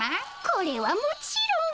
これはもちろん？